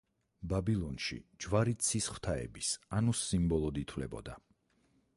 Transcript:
ბაბილონში ჯვარი ცის ღვთაების, ანუს სიმბოლოდ ითვლებოდა.